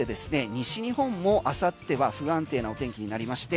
西日本も明後日は不安定なお天気になりまして。